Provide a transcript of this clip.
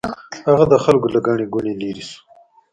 هغه د خلکو له ګڼې ګوڼې لرې شو.